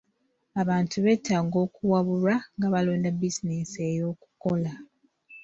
Abantu beetaaga okuwabulwa nga balonda bizinensi ey'okukola.